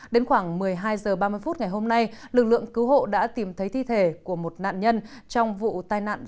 đến khoảng một mươi hai h ba mươi phút ngày hôm nay lực lượng cứu hộ đã tìm thấy thi thể của một nạn nhân trong vụ tai nạn